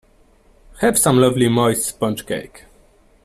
Have some lovely moist sponge cake.